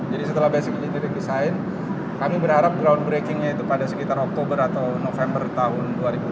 jadi setelah basic engineering design kami berharap ground breakingnya itu pada sekitar oktober atau november tahun dua ribu delapan belas